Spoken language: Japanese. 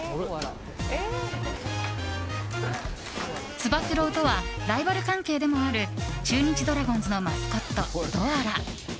つば九郎とはライバル関係でもある中日ドラゴンズのマスコットドアラ。